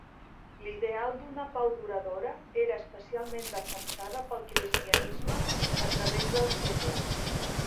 L'ideal d'una pau duradora era especialment defensada pel cristianisme a través dels segles.